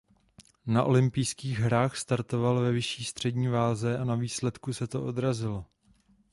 Na olympijských hrách startoval ve vyšší střední váze a na výsledku se to odrazilo.